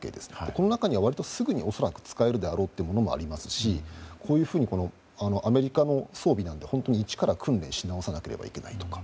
この中には割とすぐに使えるであろうというものもありますしこういうふうにアメリカの装備は一から訓練しなおさないといけないとか。